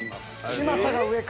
嶋佐が上か。